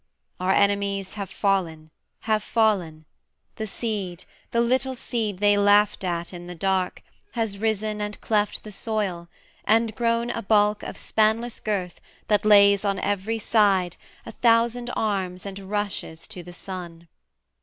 'Our enemies have fallen, have fallen: the seed, The little seed they laughed at in the dark, Has risen and cleft the soil, and grown a bulk Of spanless girth, that lays on every side A thousand arms and rushes to the Sun.